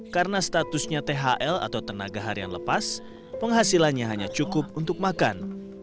karena statusnya thl atau tenaga harian lepas penghasilannya hanya cukup untuk makan